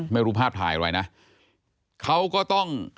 ไม่รู้ภาพถ่ายอะไรนะเขาก็ต้อง